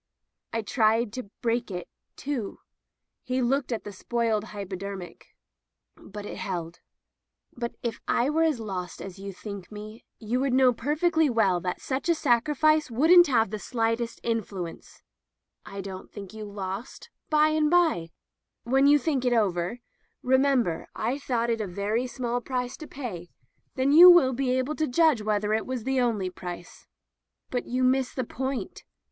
I tried to break it, too —" he looked at the spoiled hypodermic — "but it held." " But if I were as lost as you think me, you [ 406 ] Digitized by LjOOQ IC At Ephesus know perfectly well that such a sacrifice wouldn't have the slightest influence." "I don't think you lost. By and by — ^when you think it over — ^remember I thought it a very small price to pay — then you will be able to judge whether it was the only price." "But you miss the point.